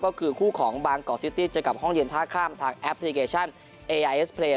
ก็คือคู่ของบางกอกซิตี้เจอกับห้องเย็นท่าข้ามทางแอปพลิเคชันเอไอเอสเพลย์